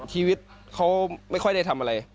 ชีวิตเขาไม่ค่อยได้ทำอะไร